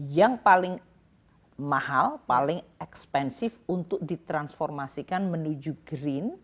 yang paling mahal paling ekspensif untuk ditransformasikan menuju green